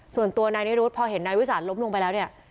ส่วนตัวนายนิรุธพอเห็นนายวิสานล้มลงไปแล้วเนี่ย